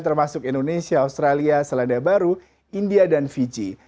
termasuk indonesia australia selandia baru india dan fiji